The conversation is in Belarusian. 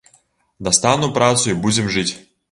Дастану працу і будзем жыць.